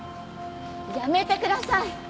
やめてください。